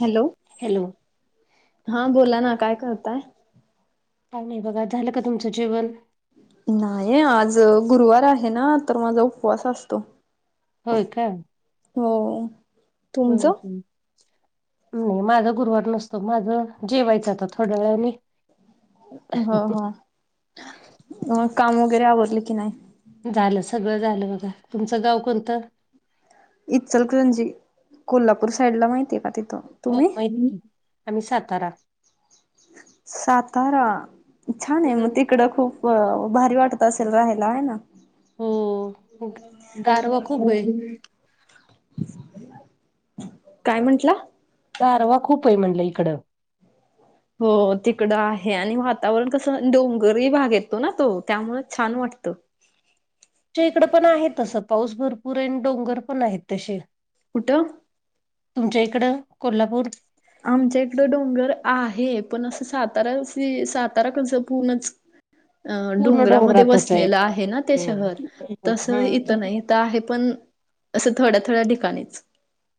Hello hello हा बोला ना, काय करताय? का नाही बघा, झालं का तुमचं जेवन? नाही आज गुरुवार आहे ना तर माझा उपवास असतो. होय काय? हो. हम्म तुमचं? हम्म नाही माझा गुरुवार नसतो माझं जेवायचं आता थोड्या वेळानी. हो हो, मग काम वगैरे आवरली की नाही? झालं सगळं झालं बघा, तुमचं गाव कोणतं? इचलकरंजी कोल्हापूर साईड ला माहिती का तिथं. हो तुम्ही? महित [unintelligible] आम्ही सातारा. सातारा छान आहे मग हम्म. तिकडं खूप भारी वाटत असेल राहायला आहे ना? हो गारवा खूप आहे काय म्हंटला गारवा खूप आहे म्हटलं इकडं हो तिकडं आहे आणि वातावरण कसं डोंगरी भाग येतो ना तो त्यामुळे छान वाटतं इकडं पण आहे तसं पाऊस भरपूर आहे आणि डोंगर पण आहेत तसे कुठं तुमच्या इकडं कोल्हापूर आमच्या इकडं डोंगर आहे पण असं सातारा सातारा कसं पूर्णच अ पूर्ण डोंगरामध्ये डोंगरातच वसलेलं आहे ना ते हम्म शहर तसं हम्म. इथं नाही आहे पण असं थोड्या थोड्या ठिकाणीच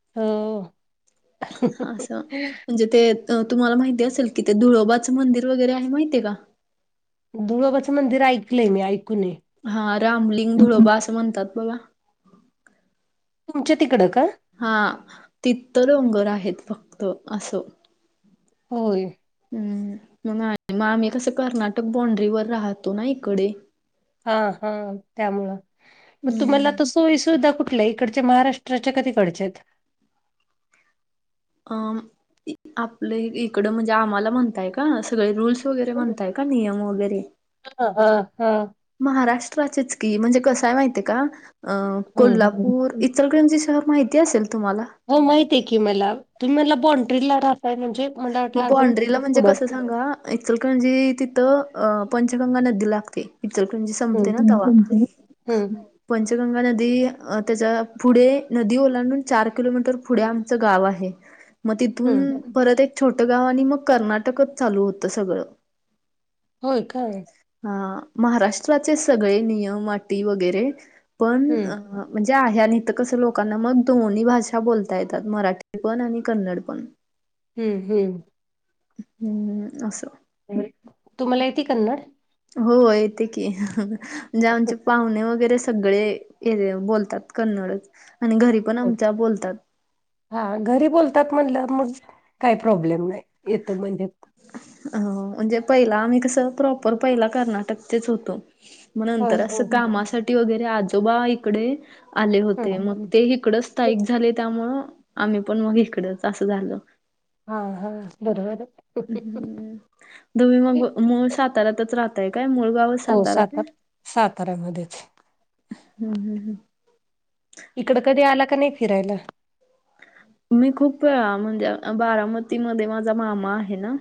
हो असं म्हणजे ते तुम्हाला माहिती असेल कि ते धुळोबाचं मंदिर वगैरे आहे माहिती आहे का धुळोबाचं मंदिर ऐकलंय मी ऐकूने हा रामलिंग धुळोबा असं म्हणतात बघा तुमच्या तिकडं का हा तिथं डोंगर आहेत फक्त असं होय हम् मग मग आम्ही कसं कर्नाटक बॉंड्रीवर राहतो ना इकडे हा हा त्यामुळं मग तुम्हाला हम्म तिथं सोईसुविधा कुठल्या आहे इकडच्या महाराष्ट्राच्या का तिकडच्या आहेत अ आपलं इकडं म्हणजे आम्हाला म्हणताय का सगळे रूल्स वगैरे म्हणताय का नियम वगैरे हा हा हा. महाराष्ट्राचीचकी म्हणजे कसंय माहितीये का कोल्हापूर इचलकरंजी शहर माहिती असेल तुम्हाला हो माहितीये की मला तुम्ही म्हणला बॉंड्रीला रहाताय म्हणजे मला वाटलं मग अजून बॉंड्रीला खूप म्हणजे पुढं कसं सांगा इचलकरंजी तिथं अ पंचगंगा नदी लागते इचलकरंजी हम्म संपते ना तवा हम्म पंचगंगा नदी त्याच्या पुढे नदी ओलांडून चार किलोमीटर पुढे आम चं गाव आहे मग तिथून हम्म. परत एक छोटं गाव आणि मग कर्नाटकच चालू होतं सगळं होय काय? ह महाराष्ट्राचेच सगळे नियम अटी वगैरे पण हम्म म्हणजे आहे आणि इथं कसं लोकांना मग दोन्ही भाषा बोलता येतात मराठी पण आणि कन्नड पण हम्म हम्म हम्म असं तुम्हाला येती कन्नड हो येते की म्हणजे आमचे पाहुणे वगैरे सगळे हे बोलतात कन्नडच आणि घरी पण आमच्या बोलतात हा घरी बोलतात म्हणल्यावर मग काय प्रॉब्लेम नाही येतो अ म्हणजे पहिला आम्ही कसं प्रॉपर पहिला कर्नाटकचेच होतो मग हो नंतर हो असं हो. कामासाठी वगैरे आजोबा इकडे आले होते मग हम्म ते इकडंच स्थायिक झाले त्यामुळं आम्ही पण मग इकडच असं झालं हा हा बरोबर आहे हम्म तुम्ही मग मूळ साताऱ्यातच राहताय काय मूळ गाव हो सातार साताऱ्यामध्येच. हम् हम् हम्. इकडं कधी आला का नाय फिरायला? मी खूप वेळा म्हणजे बारामतीमध्ये माझा मामा आहे ना.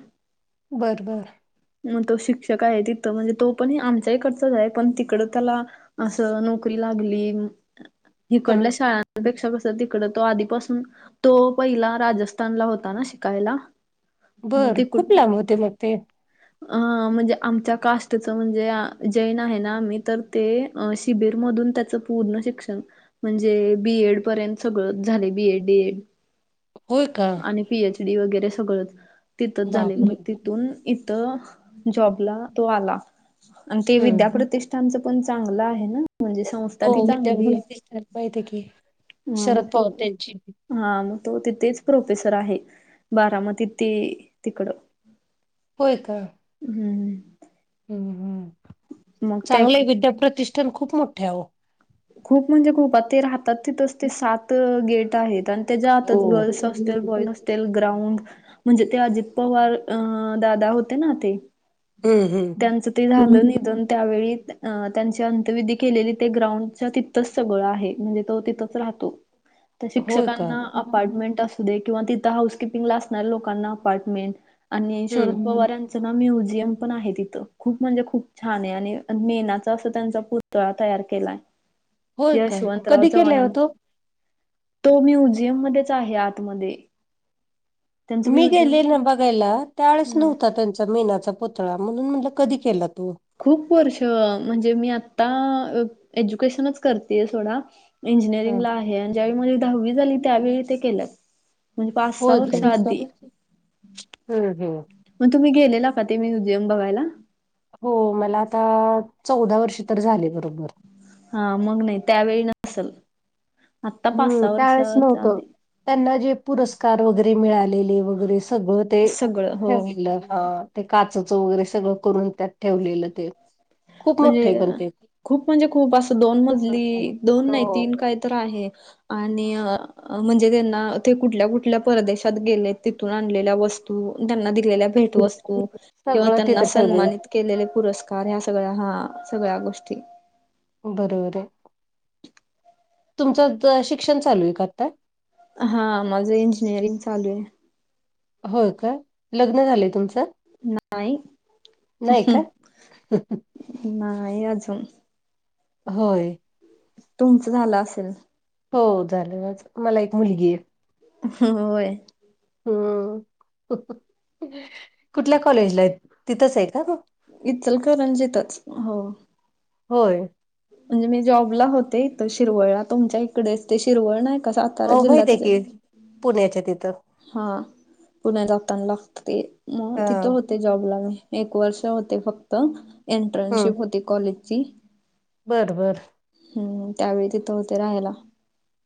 बर बर. म तो शिक्षक आहे तिथं म्हणजे तो पण आमच्या हीकडचाच हाय पण तिकड त्याला असं नोकरी लागली हिकडल्या शाळा हम्म. पेक्षा कसं तिकडं तो आधीपासून तो पहिला राजस्थानला होता ना शिकायला. बर खूप लांब होते मग ते. आ म्हणजे आमच्या कास्टचं म्हणजे आ जैन आहे ना आम्ही तर ते अ शिबिर मधून त्याचं पूर्ण शिक्षण म्हणजे बीएड पर्यंत सगळंच झालय. B.Ed D.Ed. होय का. पीएचडी वगैरे सगळं, तिथच झालय मग बापरे तिथून इथं जॉबला तो आला आणि ते हम्म. विद्याप्रतिष् त्यांचं पण चांगलं आहे ना म्हणजे सं हो [unintelligible] माहितीये की ह मग शरद तो पवार त्यांची हा मग तो तिथेच प्रोफेसर आहे बारामती ते तिकडं होय का. हम्म हम्म. हम्म हम्. मग त्या चांगलय विद्याप्रतिष्ठान खूप मोठय आवो. खूप म्हणजे खूप आता ते राहतात तिथंच ते सात गेट आहेत. आणि ते जातात गर्ल्स हॉस्टेल, बॉईज हो हॉस्टेल ग्राउंड म्हणजे ते अजित पवार अं दादा होते ना ते. हम्म त्यांचं ते झालं हम्म. निधन त्यावेळी अं त्यांची अंतविधी केलेली ते ग्राउंड त तिथच सगळं आहे म्हणजे तो तिथच राहतो, होय का शिक्षकांना अपार्टमेंट अस ते किंवा तिथं हाउस किपींगला असणाऱ्या लोकांना अपार्टमेंट, आणि शरद हम्म पवार यां चं ना म्युझिअम पण आहे तिथं खूप म्हणजे खूप छानय आणि मेनाच अस त्यांचं असं पुर् पुतळा तयार केलाय होय का यशवंतराव कधी केलाय ओ चव्हाणांनी. तो? तो म्युझियम मध्येच आहे आतमध्ये. त्यांचं मी म्युझियम गेलेले ना बघायला त्यावेळेस ह नव्हता त्यांचा. त मेनाचा पुतळा म्हणून म्हणलं कधी केला तूम्ही? खूप वर्ष म्हणजे मी आता अं एज्युकेशनच करतेय सोडा. ह इंजिनिअरिंग ला आहे आणि ज्यावेळी माझी दहावी झाली त्यावेळी ते केलं. म्हण पाच सहा होय का वर्ष आधी. हम्म हम्म. मग तुम्ही गेलेला का ते म्युझियम बघायला. हो मला आता चौदा वर्ष तर झाले बरोबर. हा मग नाही त्यावेळी नसल आता पाच हम्म सहा त्यावेळेस वर्षाच्या नव्हतं आधी त्यांना जे पुरस्कार वगैरे मिळालेले वगैरे स सगळं ते [unintelligible] सगळं हो हा. ते काचचं वगैरे सगळं करून त्यात ठेवलेलं ते, खूप मोठंय म्हणजे पण ते. खूप म्हणजे खूप असं दोन मजली दोन हो नाही तीन काही तर आहे आणि अं म्हणजे त्यांना ते कुठल्या कुठल्या परदेशात गेले तिथून आणलेल्या वस्तू त्यांना दिलेल्या भेट वस्तू किंवा सगळं त्यांना तिथं ठेवलंय सन्मानित केलेले पुरस्कार हे असे सगळ्या हा सगळ्या गोष्टी बरोबरय तुमचं त शिक्षण चालू आहे का आत्ता? हा माझं इंजिनिअरिंग चालू आहे. हो काय? लग्न झालंय तुमचं? न्हाई, नाही अह्ह का? नाही अजून. होय. तुमचं झालं असंल? हो झालंय माझं. मला एक मुलगीए. हह व्हय. हम्, अंह्हह्ह हअ कुठल्या कॉलेजलायत? तिथंच आहे का तू? इच्चलकरंजितच. हो. होय. म्हणजे मी जॉबला होते त शिरवळला. तुमच्या इकडेच ते शिरवळ नाही का सातारा हो माहित आहे जिल्ह्यातचएत? की. पुण्याच्या तिथं. हा पुण्या जात्तान्ना त्ते, म तिथं हां. होते जॉबला मी. एक वर्ष होते फक्त एंटर्नशिप होती कॉलेजची. बर बर. हम्म, त्यावेळी तितं होते राहायला.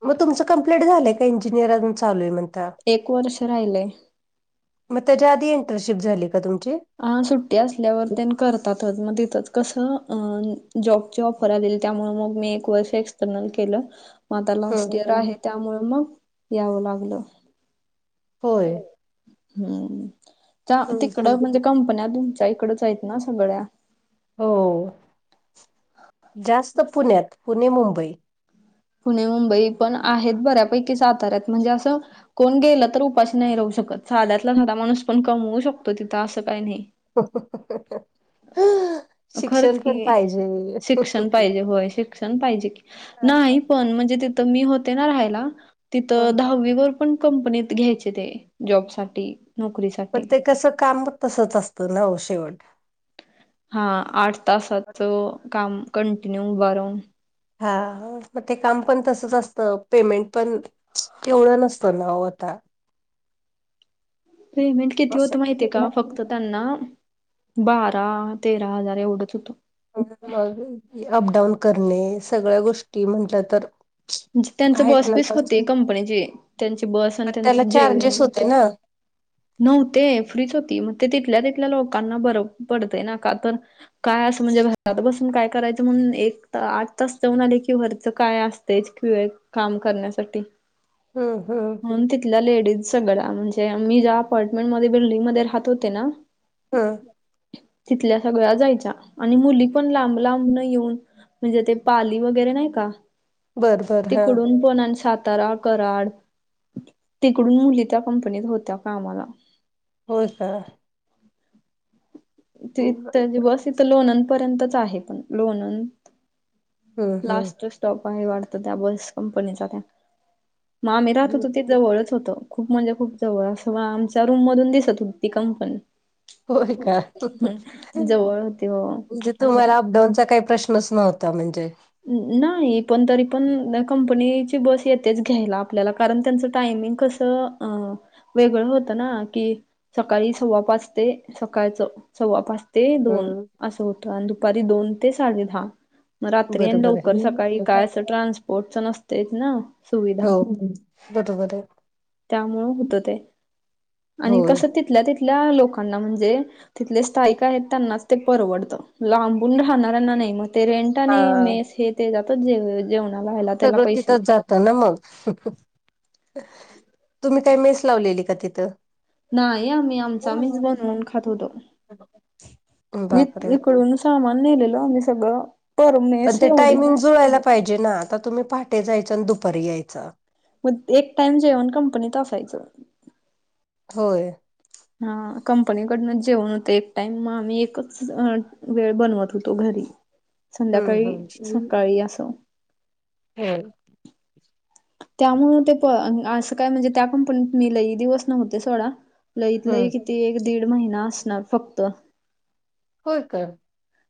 मग तुमच कंप्लीट झालंय काय इंजिनिअर अजून चालूय म्हण एक वर्ष राहिलंय. मग त्याच्या आधी इंटरशिप झाली का तुमची? अ सुट्टी असल्यावर त्यां करतातच मग तिथंच कसं अं जॉब जॉब [unintelligible] त्यामुळं मी एक वर्ष एक्सस्टर्नल केलं. म आता लास्ट इयर आहे हं. त्यामुळे मंग यावं लागलं. होय. हं, हम्म, चा हं हं. तिकडं म्हंजे कंपन्या तुमच्या इकडंच ऐत ना सगळ्या? होओ, जास्त पुण्यात, पुणे मुंबई पुणे मुंबई पण आहेत बऱ्यापैकी साताऱ्यात म्हणजे असं कोण गेलं तर उपाशी नाही राहू शकत. साध्यातला साधा माणूस पण कमवू शकतो तिथं. असं काही नाही. हहहहह हअ खरच की, शिक्षण पाहिजे होय शिक्षण पाहिजे की, हा. नाही पण म्हणजे तितं मी होते ना राहायला हं, तितं दहावी वर खूप पण कंपनीत घ्यायचे ते, जॉबसाठी. नोकरीसा पण पण ते कसं काम पण तसच असतं ना ओ शेवट हा आठ तासाचं काम कंटीन्यू उभा ऱ्हाउन हा, मग ते काम पण तसच असतं पेमेंट पण तेवढं नसतं ना ओ आता पेमेंट किती होत असं माहितीये का? फक्त त्यांना, बारा, तेरा हजार एवढंच होतं. मग अपडाऊन करणे सगळ्या गोष्टी म्हटलं तर णजे त्यांचं आहेत ना बॉसपीस कष्ट, होते कंपनीजे, त्यांचे बॉस आन् पण त्याला त्यांचं चार्जेस जेवण होते ना. नव्हते, फ्रीज होती. मग ते तिथल्या तिथल्या लोकांना बरं पडते ना? का तर काय असं म्हणजे घरात बसून काय करायचं म्हणून एक त आठ तास जाऊन आले की वरचं काय अस तेच [unintelligible] काम करण्यासाठी हू हू म्हणून तिथल्या लेडीज सगळ्या म्हणजे मी ज्या अपार्टमेंट मध्ये बिल्डिंग मध्ये राहत होते ना हा तिथल्या सगळ्या जायच्या आणि मुली पण लांब लांबन येऊन म्हणजे ते पाली वगैरे नाही का बरं बरं हा, तिकडून पुणा सातारा कराड तिकडून मुली त्या कंपनीत होत्या कामाला होय का ते त्यांची बस इथं लोणंद पर्यंतच आहे पण लोणंद हं लास्ट स्टॉप आहे वाटत त्या बस कंपनीचा त्या म आम्ही राहत हं. होतो तिथ जवळच होत खूप म्हणजे खूप जवळ असं आमच्या रूम मधून दिसत होती कंपनी होय का जवळ होती म्हणजे हो. तुम्हाला दोन चा काय प्रश्नच नव्हता म्हणजे नाही पण तरी पण कंपनीची बस येतेच घ्यायला आपल्याला कारण त्यांच टायमिंग कस अ वेगळं होतं ना कि सकाळी सव्वा पाच ते सकाळचं सव्वा पाच ते दोन हम्म असं होतं आणि दुपारी दोन ते साडे दहा म रात्री आणि बरोबर आहे. लवकर सकाळी काय अस ट्रान्सपोर्ट च नसतेच ना सुविधा हो बरोबर आहे त्यामुळं होत ते आणि होय. कसं तिथल्या तिथल्या लोकांना म्हणजे तिथले स्थायिक आहेत त्यांनाच ते परवडतं लांबून राहणाऱ्यांना नाही म ते रेंट हा आणि मेस हे ते जातच जे जेवणाला ह्याला त्याला पैसे ताना म तुम्ही काय मेस लावलेली का तिथं नाही आम्ही आमच आम्हीच बनवून खात होतो बापरे! इकडूनच सामान नेलेलो आम्ही सगळं पर पण मेस ते एवढी काय टायमिंग जुळायला पाहिजे ना आता तुम्ही पहाटे जायच्या आणि दुपारी यायचा मग एक टाइम जेवण कंपनीत असायचं होय हा कंपनी कडनच जेवण होत एक टाइम म आम्ही एकच वेळ बनवत होतो घरी [inaudible] संध्याकाळी हम्म. सकाळी असं [inaudible] त्यामुळं ते प असं काय म्हणजे त्या कंपनीत मी लई दिवस नव्हते सोडा लईत लई हम्म किती एक दीड महिना असणार फक्त होय का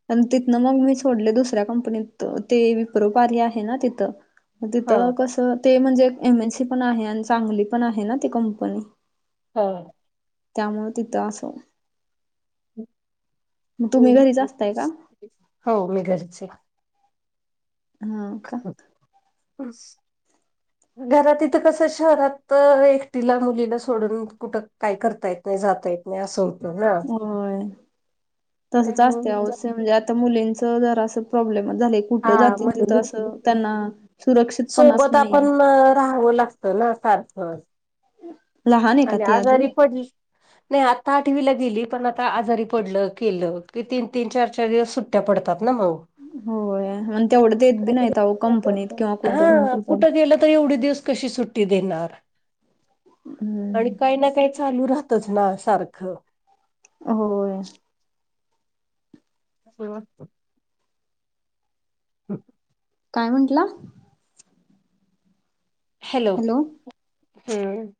पण तिथनं मग मी सोडले दुसऱ्या कंपनीत ते विप्रो कार्या आहे ना तिथं म हा तिथं कसं ते म्हणजे एमएसी पण आहे आणि चांगली पण आहे ना ती कंपनी हा त्यामुळं तिथं असो म तुम्ही घरीच का? हो मी घरीचये हा का बस घरात इथं कसं शहरात एकटीला मुलीला सोडून कुठं काय करता येत नाही जाता येत नाही असं होत ना होय त्यांच असतय आ हो. त्यामुळे [unintelligible] इथं मुलींच जरा असं प्रॉब्लेम झालेत. हा म्हणजे सुरक्षितपणाच सोबत आपण नाहीये राहावं लाग त ना सारखं. लहान आहे का आणि ती अजून? आजारी पडली नाही आता आठवीला गेली पण आता आजारी पडलं केलं की तीन, तीन चार, चार दिवस सुट ट्या पडतात ना मग होय मग तेवढं देत बी नाहीत आहो कंपनीत किंवा कुठं. हा कुठं गेलं तर एवढे दिवस कशी सुट्टी देणार? आणि हम्म काही ना काही चालू राहतच ना सारखं. होय. [unintelligible] [inaudible] काय म्हंटला? हॅलो! हम्म.